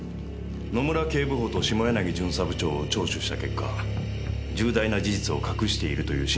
野村警部補と下柳巡査部長を聴取した結果重大な事実を隠しているという心証を持ちました。